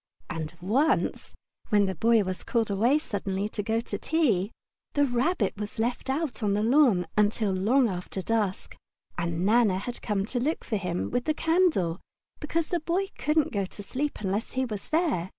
And once, when the Boy was called away suddenly to go out to tea, the Rabbit was left out on the lawn until long after dusk, and Nana had to come and look for him with the candle because the Boy couldn't go to sleep unless he was there.